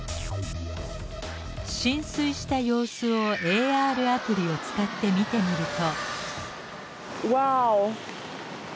浸水した様子をＡＲアプリを使って見てみると。